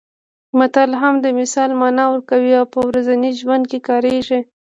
متل هم د مثال مانا ورکوي او په ورځني ژوند کې کارېږي